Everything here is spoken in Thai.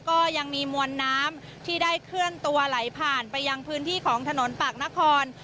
ก็ยังมีมวลน้ำที่ได้เคลื่อนตัวไหลผ่านไปยังพื้นที่ของถนนปากนคร